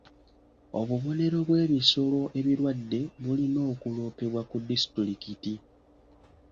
Obubonero bw'ebisolo ebirwadde bulina okuloopebwa ku disitulikiti.